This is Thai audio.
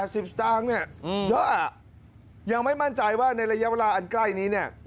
สิบสตางค์เนี่ยเยอะอ่ะยังไม่มั่นใจว่าในระยะเวลาอันใกล้นี้เนี่ย